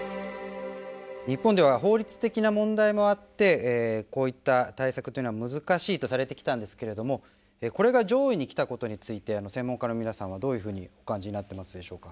日本では法律的な問題もあってこういった対策というのは難しいとされてきたんですけれどもこれが上位に来たことについて専門家の皆さんはどういうふうにお感じになってますでしょうか。